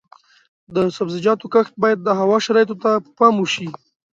د سبزیجاتو کښت باید د هوا شرایطو ته په پام وشي.